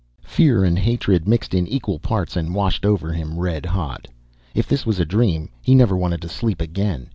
Fear and hatred mixed in equal parts and washed over him red hot. If this was a dream, he never wanted to sleep again.